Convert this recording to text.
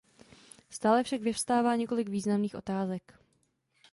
Stále však vyvstává několik významných otázek.